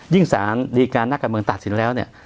สารดีการนักการเมืองตัดสินแล้วเนี่ย